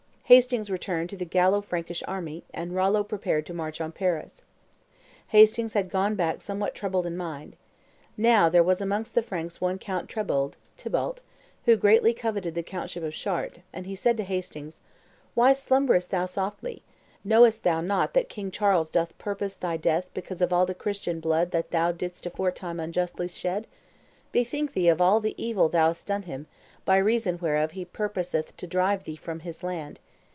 Hastings returned to the Gallo Frankish army, and Rollo prepared to march on Paris. Hastings had gone back somewhat troubled in mind. Now there was amongst the Franks one Count Tetbold (Thibault), who greatly coveted the countship of Chartres, and he said to Hastings, "Why slumberest thou softly? Knowest thou not that King Charles doth purpose thy death by cause of all the Christian blood that thou didst aforetime unjustly shed? Bethink thee of all the evil thou hast done him, by reason whereof he purposeth to drive thee from his land.